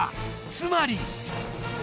つまり。